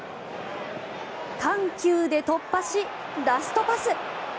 緩急で突破し、ラストパス。